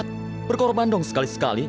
tapi ini demi rakyat berkorban dong sekali sekali